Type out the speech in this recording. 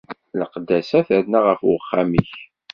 Leqdasa terna ɣef uxxam-ik.